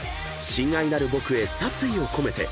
『親愛なる僕へ殺意をこめて』］